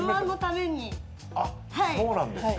そうなんですね。